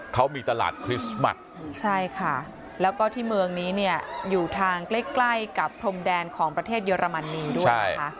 เขามีตลาดคริสต์มัสใช่ค่ะแล้วก็ที่เมืองนี้เนี่ยอยู่ทางใกล้ใกล้กับพรมแดนของประเทศเยอรมนีด้วยนะคะ